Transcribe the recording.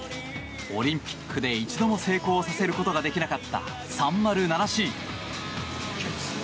オリンピックで一度も成功させることができなかった３０７Ｃ。